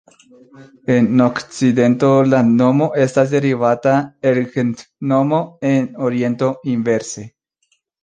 En okcidento landnomo estas derivata el gentnomo; en oriento inverse.